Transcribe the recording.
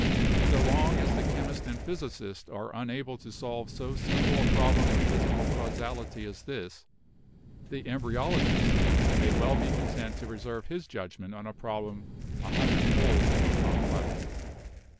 So long as the chemist and physicist are unable to solve so simple a problem of physical causality as this, the embryologist may well be content to reserve his judgment on a problem a hundredfold more complex.